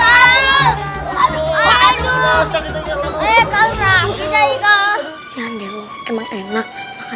ah leser aja kamu udah